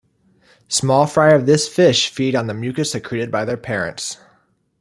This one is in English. Small fry of this fish feed on the mucus secreted by their parents.